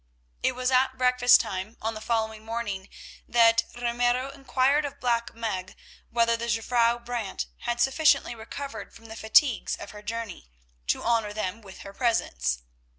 It was at breakfast on the following morning that Ramiro inquired of Black Meg whether the Jufvrouw Brant had sufficiently recovered from the fatigues of her journey to honour them with her presence.